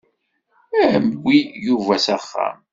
Awi Yuba s axxam.